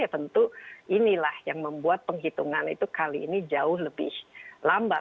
ya tentu inilah yang membuat penghitungan itu kali ini jauh lebih lambat